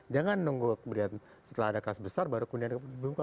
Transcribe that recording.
jangan nunggu setelah ada kas besar baru kemudian ada kebuka